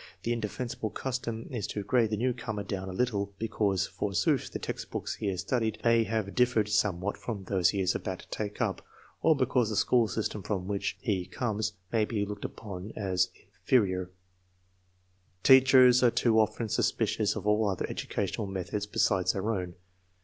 The indefensible custom is to grade the newcomer down a little, because, forsooth, the textbooks Uc lias studied may have differed somewhat from these lie is about to take up, or because the school system from \vlnch he conies may be looked upon as inferior* Teachers an* too often suspicious of all other educational methods besides their own.